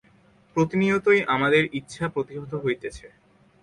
প্রতিনিয়তই আমাদের ইচ্ছা প্রতিহত হইতেছে।